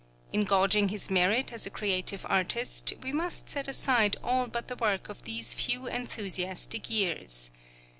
In gauging his merit as a creative artist, we must set aside all but the work of these few enthusiastic years.